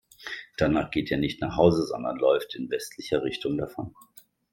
Danach geht er nicht nach Hause, sondern läuft in westlicher Richtung davon.